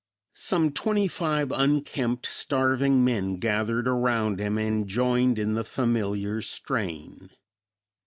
Some twenty five unkempt, starving men gathered around him and joined in the familiar strain.